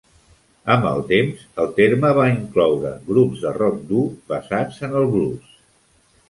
Amb el temps, el terme va incloure grups de rock dur basats en el blues.